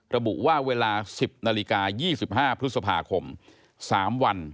ระบุว่าเวลา๑๐นาฬิกา๒๕พฤษภาคม๓วัน